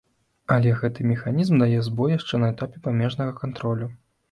Але гэты механізм дае збой яшчэ на этапе памежнага кантролю.